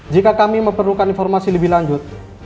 jika kami memerlukan informasi lebih lanjut